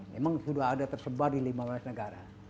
memang sudah ada tersebar di lima belas negara